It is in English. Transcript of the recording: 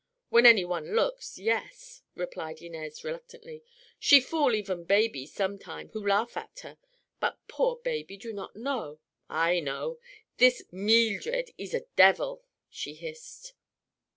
"When anyone looks, yes," replied Inez reluctantly. "She fool even baby, some time, who laugh at her. But poor baby do not know. I know. This Meeldred ees a devil!" she hissed.